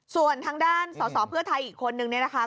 ส่วนทางด้านสอบเพื่อไทยอีกคนหนึ่งนะคะ